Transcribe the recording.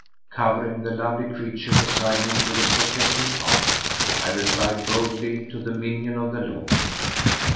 Covering the lovely creature beside me with a protecting arm, I replied boldly to the minion of the law.